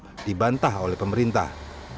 yang dipercaya oleh pemerintah